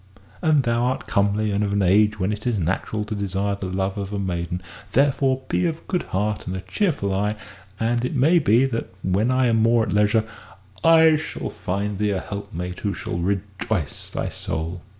And thou art comely, and of an age when it is natural to desire the love of a maiden. Therefore be of good heart and a cheerful eye, and it may be that, when I am more at leisure, I shall find thee a helpmate who shall rejoice thy soul."